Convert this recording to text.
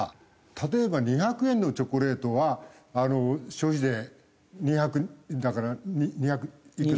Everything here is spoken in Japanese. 例えば２００円のチョコレートは消費税２００円だから２００いくらになるんだ？